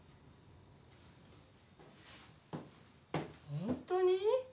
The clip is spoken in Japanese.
ホントに？